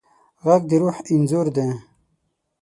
غږ د روح انځور دی